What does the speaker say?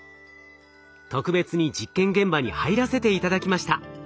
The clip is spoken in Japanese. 特別に実験現場に入らせて頂きました。